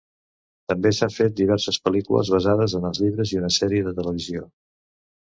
També s'han fet diverses pel·lícules basades en els llibres i una sèrie de televisió.